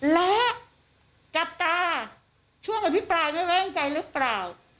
และจับตาช่วงอภิปรายไม่ไว้วางใจหรือเปล่า